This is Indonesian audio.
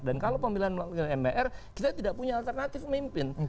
dan kalau pemilihan melalui mpr kita tidak punya alternatif pemimpin